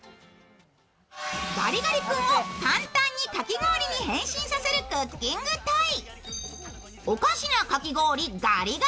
ガリガリ君を簡単にかき氷に変身させるクッキングトイ。